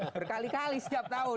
berkali kali setiap tahun